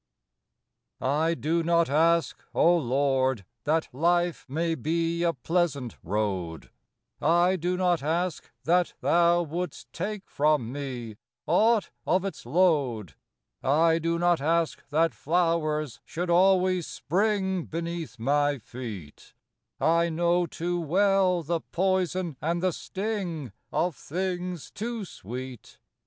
J DO not ask, O Lord, that life may be A pleasant road; I do not ask that Thou wouldst take from me Aught of its load; I do not ask that flowers should always spring Beneath my feet; I know too well the poison and the sting Of things too sweet.